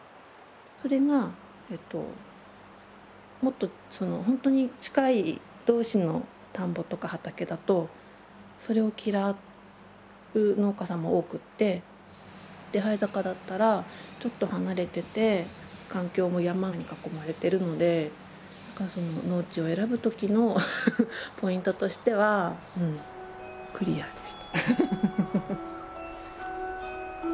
それがもっとほんとに近い同士の田んぼとか畑だとそれを嫌う農家さんも多くって手這坂だったらちょっと離れてて環境も山に囲まれてるので農地を選ぶときのポイントとしてはクリアでした。